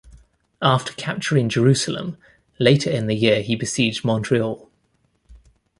After capturing Jerusalem, later in the year he besieged Montreal.